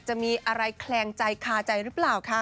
จะมีอะไรแคลงใจคาใจหรือเปล่าค่ะ